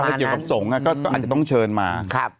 เกี่ยวกับสงฆ์ก็อาจจะต้องเชิญมา